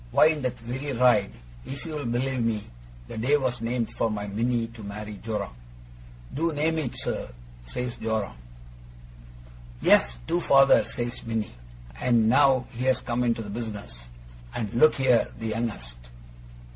Why, in that very ride, if you'll believe me, the day was named for my Minnie to marry Joram. "Do name it, sir," says Joram. "Yes, do, father," says Minnie. And now he's come into the business. And look here! The youngest!